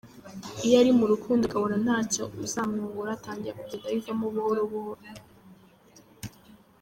Iyo ari mu rukundo akabona ntacyo uzamwungura atangira kugenda abivamo buhoro buhoro.